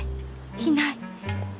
いない。